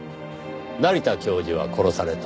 成田教授は殺された。